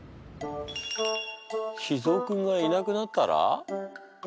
脾ぞうくんがいなくなったら？